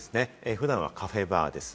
普段はカフェバーです。